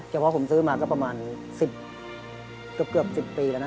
เฉพาะผมซื้อมาก็ประมาณ๑๐เกือบ๑๐ปีแล้วนะ